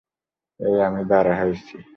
এই, আমি দাঁড়া হয়েছি।